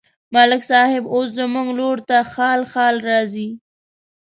ملک صاحب اوس زموږ لوري ته خال خال راځي.